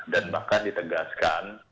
dan bahkan ditegaskan